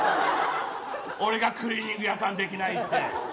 俺がクリーニング屋さんできないって。